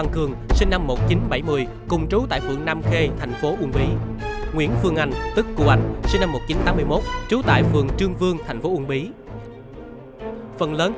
có những đối tượng nagle